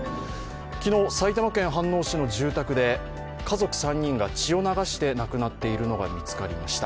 昨日、埼玉県飯能市の住宅で家族３人が血を流して亡くなっているのが見つかりました。